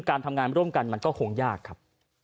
การทำงานร่วมกันมันก็คงยากครับ